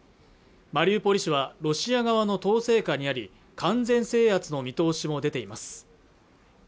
マリウポリ市はロシア側の統制下にあり完全制圧の見通しも出ています